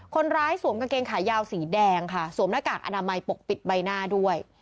สวมกางเกงขายาวสีแดงค่ะสวมหน้ากากอนามัยปกปิดใบหน้าด้วย